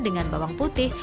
dengan bawang putih